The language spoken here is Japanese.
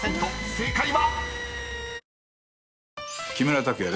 正解は⁉］